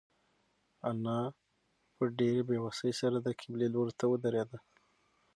انا په ډېرې بېوسۍ سره د قبلې لوري ته ودرېده.